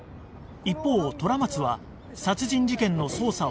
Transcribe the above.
一方虎松は殺人事件の捜査を進めていた